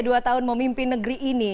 dua tahun memimpin negeri ini